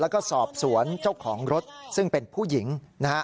แล้วก็สอบสวนเจ้าของรถซึ่งเป็นผู้หญิงนะฮะ